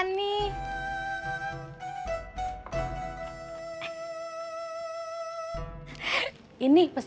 nah kita pake